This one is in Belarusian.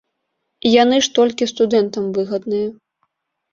Яны ж толькі студэнтам выгадныя.